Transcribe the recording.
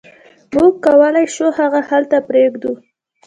موږ کولی شو هغه هلته پریږدو